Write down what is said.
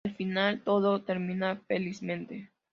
Al final todo termina felizmente.